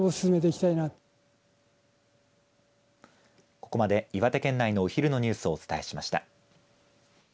ここまで岩手県内のお昼のニュースをお伝えしました。